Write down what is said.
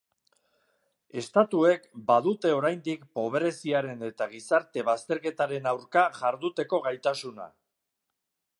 Estatuek badute oraindik pobreziaren eta gizarte bazterketaren aurka jarduteko gaitasuna.